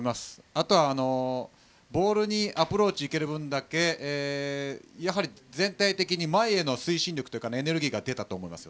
あとは、ボールにアプローチにいける分だけやはり全体的に前への推進力エネルギーが出たと思います。